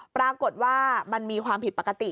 ปรากฏว่ามันมีความผิดปกติ